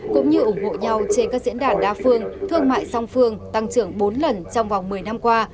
cũng như ủng hộ nhau trên các diễn đàn đa phương thương mại song phương tăng trưởng bốn lần trong vòng một mươi năm qua